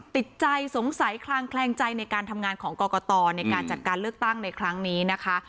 ติดใจสงสัยคลางแคลงใจในการทำงานของกรกตในการจัดการเลือกตั้งในครั้งนี้นะคะ